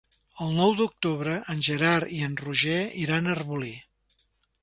El nou d'octubre en Gerard i en Roger iran a Arbolí.